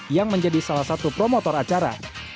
yang menjadi salah satu promotor acara